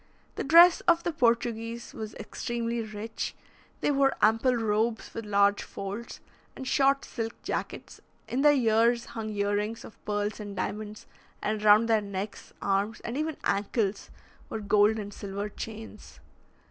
The dress of the Portuguese was extremely rich; they wore ample robes with large folds, and short silk jackets; in their ears hung ear rings of pearls and diamonds, and round their necks, arms, and even ankles, were gold and silver chains.